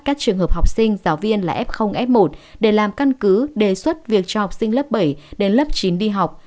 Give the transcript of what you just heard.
các trường hợp học sinh giáo viên là f f một để làm căn cứ đề xuất việc cho học sinh lớp bảy đến lớp chín đi học